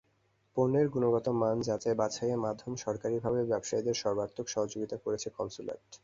পণ্যের গুণগত মান যাচাই-বাচাইয়ে মাধ্যমে সরকারিভাবে ব্যবসায়ীদের সর্বাত্মক সহযোগিতা করছে কনস্যুলেট।